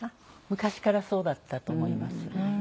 昔からそうだったと思います。